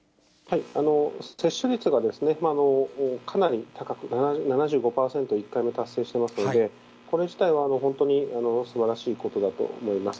接種率がかなり高く７５％、１回目、達成してますので、これ自体は本当にすばらしいことだと思います。